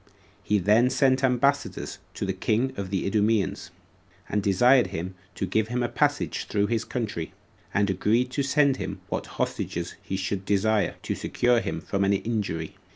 He then sent ambassadors to the king of the Idumeans, and desired him to give him a passage through his country; and agreed to send him what hostages he should desire, to secure him from an injury.